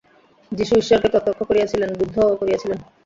যীশু ঈশ্বরকে প্রত্যক্ষ করিয়াছিলেন, বুদ্ধও করিয়াছিলেন।